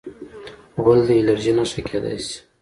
غول د الرجۍ نښه کېدای شي.